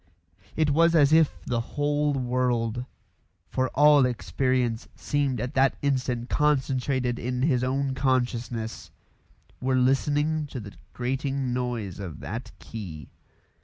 It was as if the whole world for all experience seemed at that instant concentrated in his own consciousness were listening to the grating noise of that key.